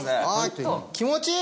気持ちいい！